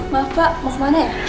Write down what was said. maaf pak mau kemana ya